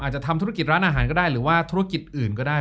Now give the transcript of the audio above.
ทำธุรกิจร้านอาหารก็ได้หรือว่าธุรกิจอื่นก็ได้